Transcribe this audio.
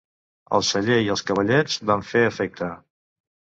El celler i els cavallets van fer efecte.